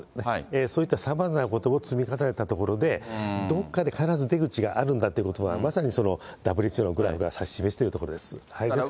そういったさまざまなことを積み重ねたところで、どこかで必ず出口があるんだっていうことが、まさにＷＨＯのグラフが指し示しているところです。